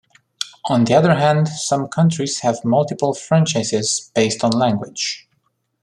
On the other hand, some countries have multiple franchises based on language.